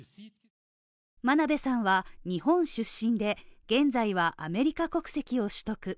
真鍋さんは日本出身で現在はアメリカ国籍を取得。